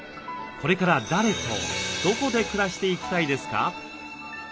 これから誰とどこで暮らしていきたいですか？